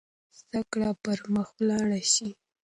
زده کړه به پرمخ ولاړه شي.